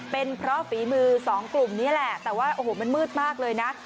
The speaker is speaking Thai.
เป็นเพราะฝีมือสองกลุ่มนี้แหละแต่ว่าโอ้โหมันมืดมากเลยนะ